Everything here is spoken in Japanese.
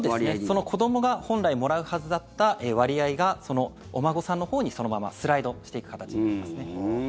その子どもが本来もらうはずだった割合がそのお孫さんのほうにそのままスライドしていく形になります。